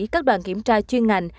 các đoàn kiểm tra chuyên ngành